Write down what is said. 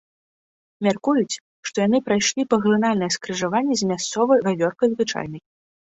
Мяркуюць, што яны прайшлі паглынальнае скрыжаванне з мясцовай вавёркай звычайнай.